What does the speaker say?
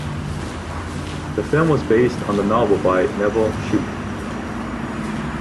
The film was based on the novel by Nevil Shute.